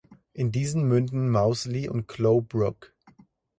In diesen münden Mousely und Clough Brook.